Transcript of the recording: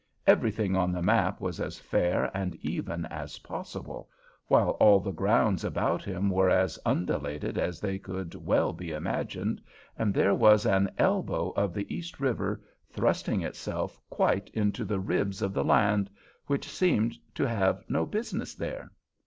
Everything on the map was as fair and even as possible, while all the grounds about him were as undulated as they could well be imagined, and there was an elbow of the East River thrusting itself quite into the ribs of the land, which seemed to have no business there.